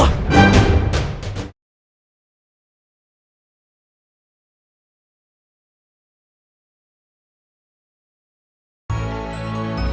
pak deh pak ustadz